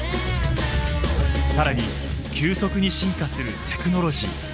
更に急速に進化するテクノロジー。